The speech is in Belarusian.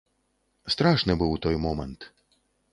Страшны быў той момант!